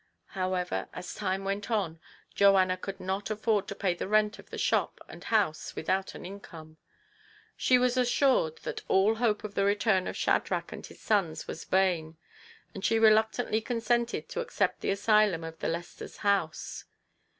However, as time went on, Joanna could not afford to pay the rent of the shop and house without an income. She was assured that all hope of the return of Shadrach and his sons was vain, and she reluctantly consented to accept the asylum of the Lesters' house.